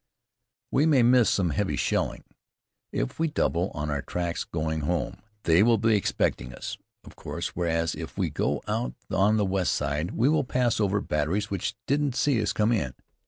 "We may miss some heavy shelling. If we double on our tracks going home, they will be expecting us, of course; whereas, if we go out on the west side, we will pass over batteries which didn't see us come in.